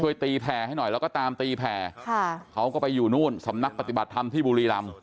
ตีแผ่ให้หน่อยแล้วก็ตามตีแผ่ค่ะเขาก็ไปอยู่นู่นสำนักปฏิบัติธรรมที่บุรีรำ